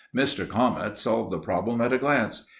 Mr. Comet solved the problem at a glance.